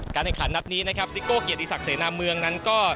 แข่งขันนัดนี้นะครับซิโก้เกียรติศักดิเสนาเมืองนั้นก็